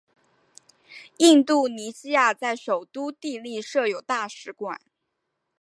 印度尼西亚在首都帝力设有大使馆。